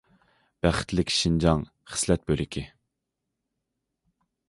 بەختلىك شىنجاڭ»،« خىسلەت بۆلىكى.